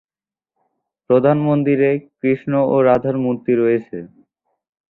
প্রধান মন্দিরে কৃষ্ণ ও রাধার মূর্তি রয়েছে।